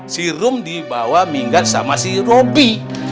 si rum dibawa mingat sama si robi